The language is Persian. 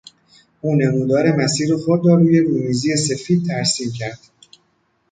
او نمودار مسیر خود را روی رومیزی سفید ترسیم کرد.